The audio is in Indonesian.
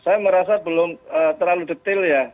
saya merasa belum terlalu detail ya